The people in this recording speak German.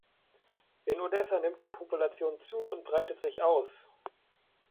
In Odessa nimmt die Population zu und breitet sich aus.